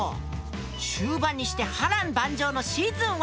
終盤にして波乱万丈のシーズン１。